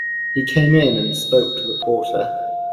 He came in and spoke to the porter.